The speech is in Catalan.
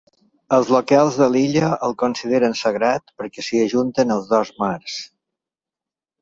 Els locals de l'illa el consideren sagrat perquè s'hi ajunten els dos mars.